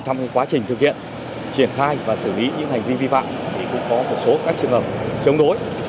trong quá trình thực hiện triển khai và xử lý những hành vi vi phạm thì cũng có một số các trường hợp chống đối